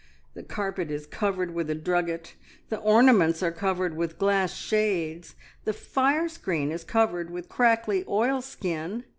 The carpet is covered with a drugget, the ornaments are covered with glass shades, the fire screen is covered with crackly oilskin.